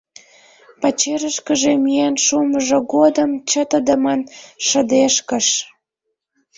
Пачерышкыже миен шумыжо годым чытыдымын шыдешкыш.